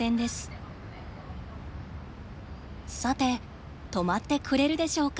さて止まってくれるでしょうか。